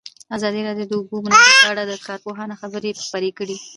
ازادي راډیو د د اوبو منابع په اړه د کارپوهانو خبرې خپرې کړي.